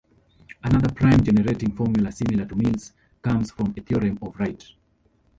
Another prime-generating formula similar to Mills' comes from a theorem of Wright.